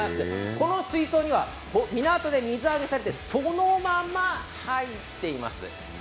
この水槽には港で水揚げされてそのまま入っています。